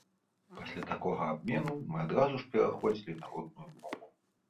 Пасля такога абмену мы адразу ж пераходзілі на родную мову.